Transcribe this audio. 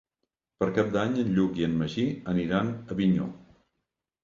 Per Cap d'Any en Lluc i en Magí aniran a Avinyó.